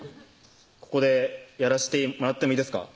ここでやらしてもらってもいいですか？